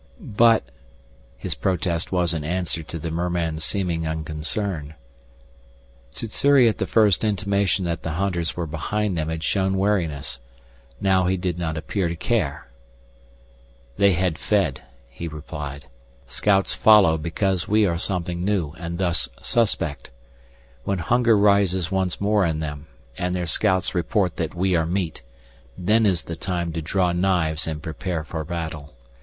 "But " His protest was in answer to the merman's seeming unconcern. Sssuri at the first intimation that the hunters were behind them had shown wariness. Now he did not appear to care. "They had fed," he replied. "Scouts follow because we are something new and thus suspect. When hunger rises once more in them, and their scouts report that we are meat, then is the time to draw knives and prepare for battle.